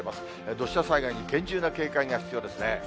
土砂災害に厳重な警戒が必要ですね。